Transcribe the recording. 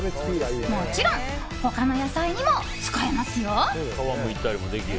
もちろん他の野菜にも使えますよ。